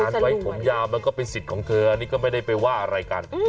ไว้ผมยาวมันก็เป็นสิทธิ์ของเธออันนี้ก็ไม่ได้ไปว่าอะไรกัน